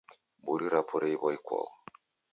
Mburi rapo reiwa ikwau.